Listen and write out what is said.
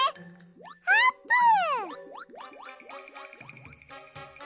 あーぷん！